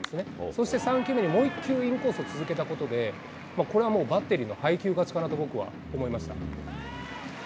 そして、３球目にもう１球、インコースを続けたことで、これはもうバッテリーの配球勝ちかなと、僕は思いました。